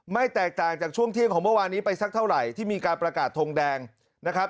แตกต่างจากช่วงเที่ยงของเมื่อวานนี้ไปสักเท่าไหร่ที่มีการประกาศทงแดงนะครับ